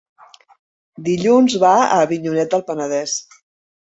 Dilluns va a Avinyonet del Penedès.